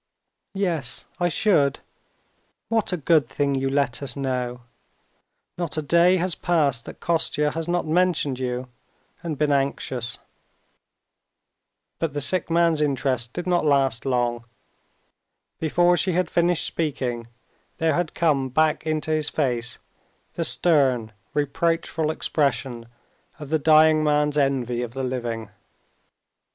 "Yes, I should. What a good thing you let us know! Not a day has passed that Kostya has not mentioned you, and been anxious." But the sick man's interest did not last long. Before she had finished speaking, there had come back into his face the stern, reproachful expression of the dying man's envy of the living.